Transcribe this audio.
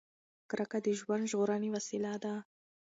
کرکه د ژوند ژغورنې وسیله ده.